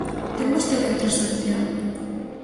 ¿Ten vostede outra solución?